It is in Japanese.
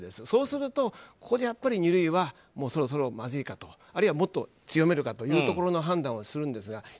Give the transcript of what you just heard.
そうするとここでやっぱり二類はもうそろそろまずいかとあるいは、もっと強めるかという判断をするんですが。